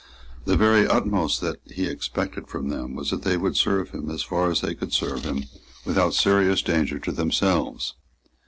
The very utmost that he expected from them was that they would serve him as far as they could serve him without serious danger to themselves.